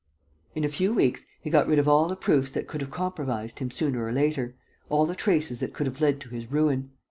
In a few weeks, he got rid of all the proofs that could have compromised him sooner or later, all the traces that could have led to his ruin.